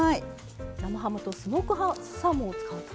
生ハムとスモークサーモンを使うと。